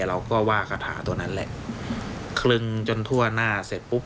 เราก็ว่าคาถาตัวนั้นแหละคลึงจนทั่วหน้าเสร็จปุ๊บ